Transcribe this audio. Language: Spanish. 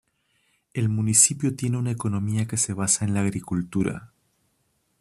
El municipio tiene una economía que se basa en la agricultura.